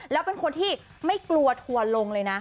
แล้วเป็นคนที่ไม่กลัวทัวร์ลงเลยนะ